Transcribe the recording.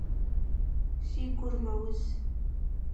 Си гур мэуз.